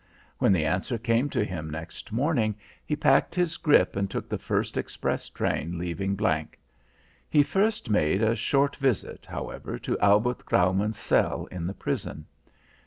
When the answer came to him next morning, he packed his grip and took the first express train leaving G . He first made a short visit, however, to Albert Graumann's cell in the prison.